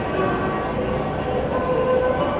สวัสดีครับ